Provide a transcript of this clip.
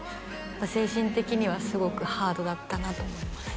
精神的にはすごくハードだったなと思います